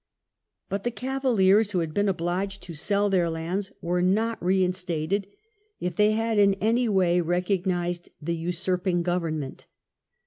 But the Cavaliers, who had been obliged to sell their lands, were not reinstated if they had in any way recognized the usurping government.